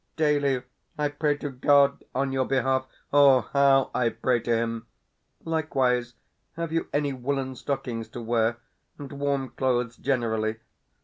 Daily I pray to God on your behalf. Ah, HOW I pray to Him!... Likewise, have you any woollen stockings to wear, and warm clothes generally?